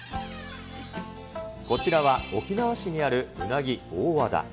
こちらは沖縄市にあるうなぎ大和田。